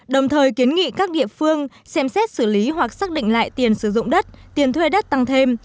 đồng thời kiến nghị các địa phương xem xét xử lý hoặc xác định lại tiền sử dụng đất tiền thuê đất tăng thêm